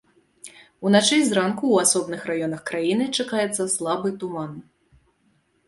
Уначы і зранку ў асобных раёнах краіны чакаецца слабы туман.